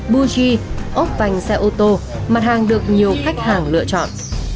buchi ốp vành xe ô tô mặt hàng được nhiều khách hàng lựa chọn